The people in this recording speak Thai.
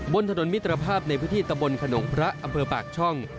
บนถนนมิตรภาพในพื้นที่ตะบนขนมพระอำเภอปากช่อง